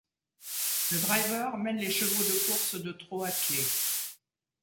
Le driver mène les chevaux de course de trot attelé.